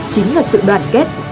chính là sự đoàn kết